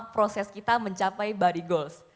proses kita mencapai body goals